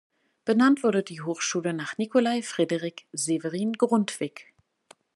Benannt wurde die Hochschule nach Nikolai Frederik Severin Grundtvig.